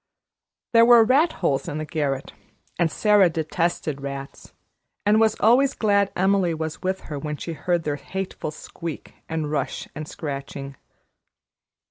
There were rat holes in the garret, and Sara detested rats, and was always glad Emily was with her when she heard their hateful squeak and rush and scratching.